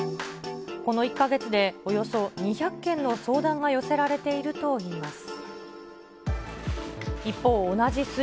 この１か月でおよそ２００件の相談が寄せられているといいます。